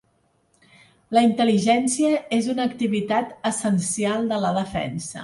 La intel·ligència és una activitat essencial de la defensa.